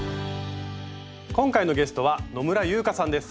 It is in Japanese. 今回のゲストは野村佑香さんです。